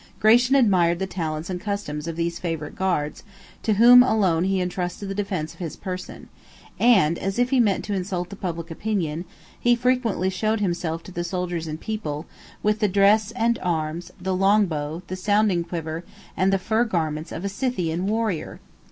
Gratian admired the talents and customs of these favorite guards, to whom alone he intrusted the defence of his person; and, as if he meant to insult the public opinion, he frequently showed himself to the soldiers and people, with the dress and arms, the long bow, the sounding quiver, and the fur garments of a Scythian warrior.